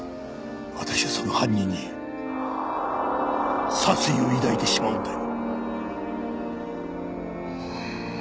私はその犯人に殺意を抱いてしまうんだよ。